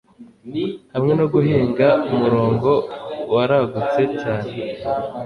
Hamwe no guhinga umurongo waragutse cyane